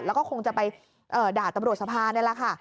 แล้วก็คงจะไปด่าตำรวจสภานี่แหละค่ะ